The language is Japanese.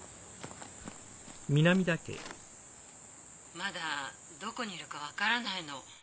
☎まだどこにいるか分からないの。